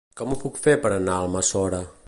Com ho puc fer per anar a Almassora?